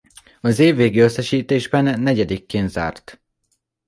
Az év végi összesítésben negyedikként zárt.